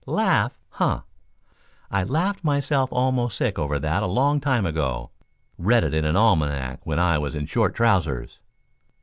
"Laugh? Huh! I laughed myself almost sick over that a long time ago. Read it in an almanac when I was in short trousers."